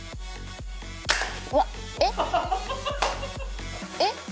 うわっえっ？えっ？